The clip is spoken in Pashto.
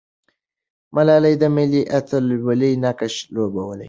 ملالۍ د ملي اتلولۍ نقش لوبولی.